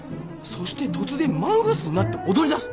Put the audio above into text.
そして突然マングースになって踊りだす。